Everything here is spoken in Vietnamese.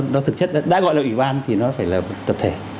nó thực chất đã gọi là ủy ban thì nó phải là tập thể